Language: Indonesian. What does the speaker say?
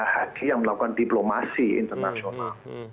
haji yang melakukan diplomasi internasional